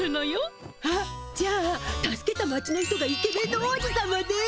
あっじゃあ助けた町の人がイケメンの王子さまで。